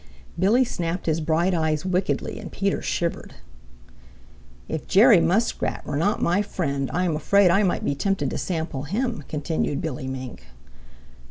Billy snapped his bright eyes wickedly and Peter shivered. "If Jerry Muskrat were not my friend, I am afraid I might be tempted to sample him," continued Billy Mink.